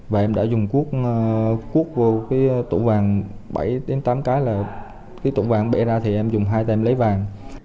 và em đã dùng cuốc cuốc vô cái tủ vàng bảy tám cái là cái tủ vàng bể ra thì em dùng hai tay em lấy vàng